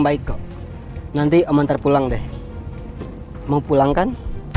baik kok nanti om hantar pulang deh mau pulang kan